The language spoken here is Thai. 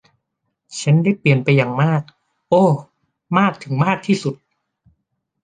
ฉันได้เปลี่ยนไปอย่างมาก โอ้ มากถึงมากที่สุด